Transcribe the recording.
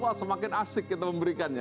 wah semakin asik kita memberikannya